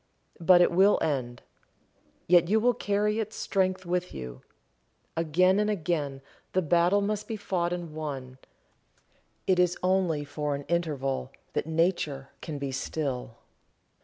But it will end. Yet you will carry its strength with you. Again and again the battle must be fought and won. It is only for an interval that nature can be still."